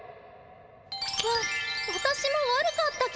わわたしも悪かったけど。